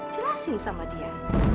jelasin sama dia